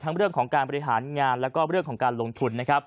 แม้กับเรื่องของการบริหารงานและเรื่องของการลงทุน